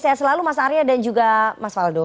saya selalu mas arya dan juga mas valdo